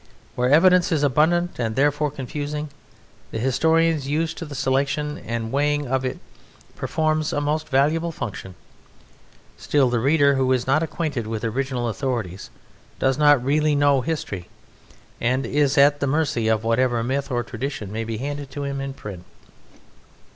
Where evidence is abundant, and therefore confusing, the historian used to the selection and weighing of it performs a most valuable function. Still, the reader who is not acquainted with original authorities does not really know history and is at the mercy of whatever myth or tradition may be handed to him in print.